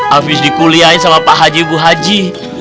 habis dikuliahin sama pak haji ibu haji